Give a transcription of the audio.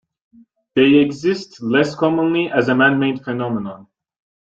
They exist less commonly as a man-made phenomenon.